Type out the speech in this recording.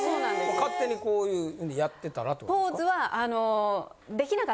勝手にこういうふうにやってたらってことですか。